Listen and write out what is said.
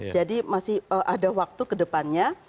jadi masih ada waktu ke depannya